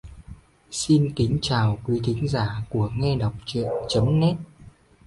Xin kính chào qúy thính giả của nghe đọc truyện chấm net